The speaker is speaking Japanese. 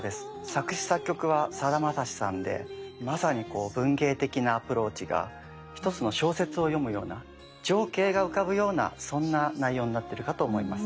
作詞・作曲はさだまさしさんでまさに文芸的なアプローチが一つの小説を読むような情景が浮かぶようなそんな内容になってるかと思います。